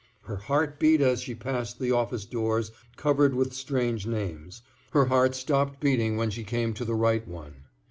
Her heart beat as she passed the office doors covered with strange names; her heart stopped beating when she came to the right one.